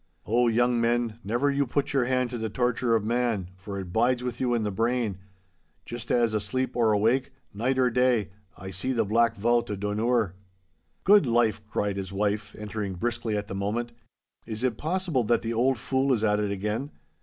Oh, young men, never you put your hand to the torture of man, for it bides with you in the brain—just as, asleep or awake, night or day, I see the Black Vaut o' Dunure!' 'Good life,' cried his wife, entering briskly at the moment, 'is it possible that the auld fule is at it again?